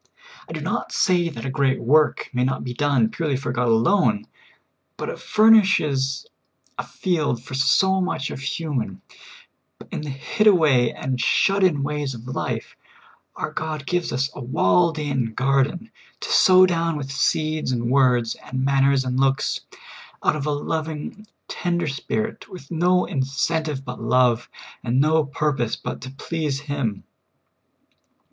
I do not say that a great work may not be done purely for God alone, but it furnishes a field for so much of human ; but in the hid away and shut in ways of life, our God gives us a walled in garden to vSOW down with deeds and words and manners and looks, out of a loving, tender spirit, with no incentive but love, and no purpose but to please Him.